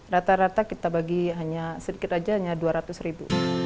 rata rata kita bagi sedikit saja hanya rp dua ratus